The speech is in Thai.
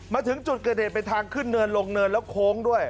มาถึงจุดเกิดเหตุเป็นทางขึ้นเนินลงเนินแล้วโค้งด้วย